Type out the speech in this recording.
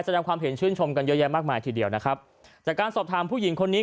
แสดงความเห็นชื่นชมกันเยอะแยะมากมายทีเดียวนะครับจากการสอบถามผู้หญิงคนนี้